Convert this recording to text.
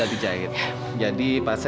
aku mau menangis